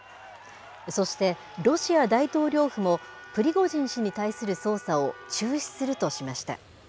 そして、ロシア大統領府も、プリゴジン氏に対する捜査を中止するとしました。